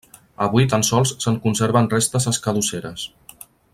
Avui tan sols se'n conserven restes escadusseres.